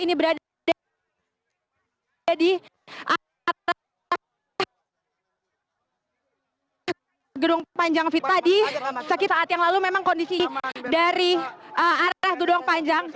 ini berada di arah gedung panjang fitnah di saat yang lalu memang kondisi dari arah gedung panjang